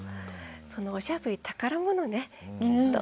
そのおしゃぶり宝物ねきっと。